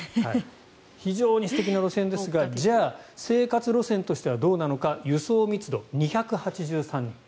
非常に素敵な路線ですがじゃあ生活路線としてはどうなのか輸送密度２８３人。